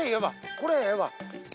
これええわ！